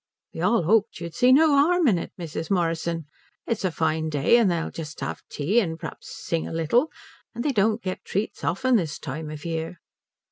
"We all 'oped you'd see no harm in it, Mrs. Morrison. It's a fine day, and they'll just have tea, and perhaps sing a little, and they don't get treats often this time of year."